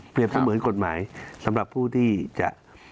เสมือนกฎหมายสำหรับผู้ที่จะ